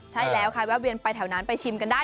ใช่แล้วใครแวะเวียนไปแถวนั้นไปชิมกันได้